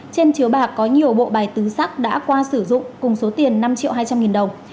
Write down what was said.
trên chiếu bạc có nhiều bộ bài tứ sắc đã qua sử dụng cùng số tiền năm triệu hai trăm linh nghìn đồng